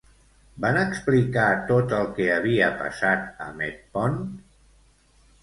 Van explicar tot el que havia passat a Metpont?